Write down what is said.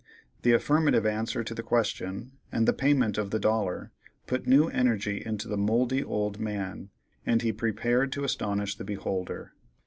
The affirmative answer to the question and the payment of the dollar put new energy into the mouldy old man, and he prepared to astonish the beholder.